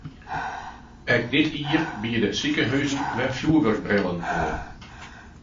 Ek dit jier biede sikehuzen wer fjurwurkbrillen oan.